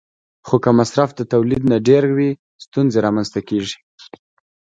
خو که مصرف د تولید نه ډېر وي، ستونزې رامنځته کېږي.